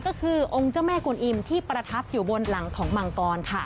ก็คือองค์เจ้าแม่กวนอิมที่ประทับอยู่บนหลังของมังกรค่ะ